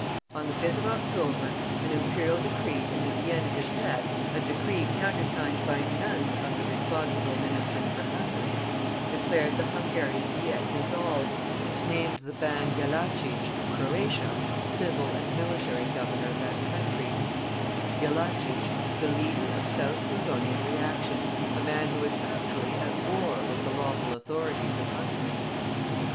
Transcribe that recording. On the 5th of October an Imperial decree in the Vienna Gazette a decree countersigned by none of the responsible ministers for Hungary declared the Hungarian Diet dissolved, and named the Ban Jellachich, of Croatia, civil and military governor of that country Jellachich, the leader of South Slavonian reaction, a man who was actually at war with the lawful authorities of Hungary.